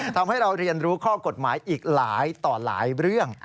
ทำให้เราเรียนรู้ข้อกฎหมายอีกหลายต่อหลายเรื่อง